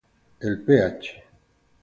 El ph.